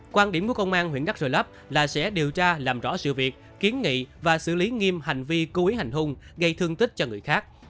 quan điểm của công an huyện đắk rô lấp là sẽ điều tra làm rõ sự việc kiến nghị và xử lý nghiêm hành vi cố ý hành hung gây thương tích cho người khác